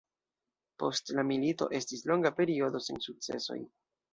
Post la milito, estis longa periodo sen sukcesoj.